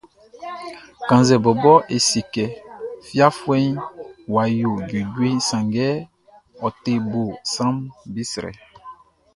Kannzɛ bɔbɔ e se kɛ fiafuɛʼn wʼa yo juejueʼn, sanngɛ ɔ te bo sranʼm be srɛ.